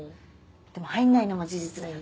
でも入んないのも事実だよね。